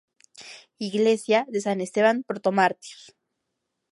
Iglesia de San Esteban Protomártir.